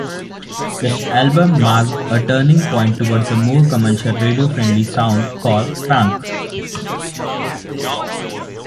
This album marked a turning point towards a more commercial radio-friendly sound for Phranc.